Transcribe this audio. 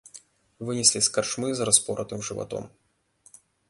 Вынеслі з карчмы з распоратым жыватом.